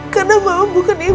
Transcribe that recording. karena mama bukan ibu